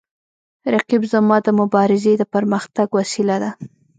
رقیب زما د مبارزې د پرمختګ وسیله ده